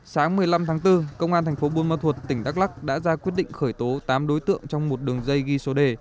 sáng một mươi năm tháng bốn công an thành phố buôn ma thuột tỉnh đắk lắc đã ra quyết định khởi tố tám đối tượng trong một đường dây ghi số đề